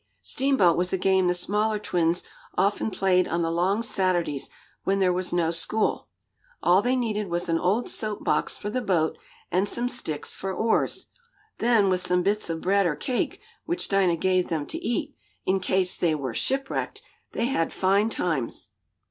"Steamboat" was a game the smaller twins often played on the long Saturdays, when there was no school. All they needed was an old soap box for the boat, and some sticks for oars. Then, with some bits of bread or cake, which Dinah gave them to eat, in case they were "shipwrecked," they had fine times.